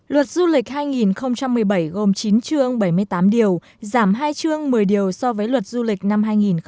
luật du lịch hai nghìn một mươi bảy gồm chín chương bảy mươi tám điều giảm hai chương một mươi điều so với luật du lịch năm hai nghìn một mươi bảy